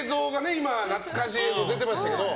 懐かしい映像が出てましたけど。